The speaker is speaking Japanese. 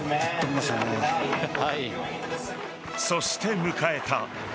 そして迎えた